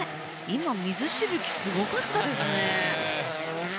今、水しぶきすごかったですね。